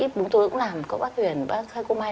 tớ cũng làm có bác huyền có cô mai